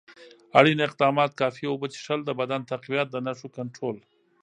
اړین اقدامات: کافي اوبه څښل، د بدن تقویت، د نښو کنټرول.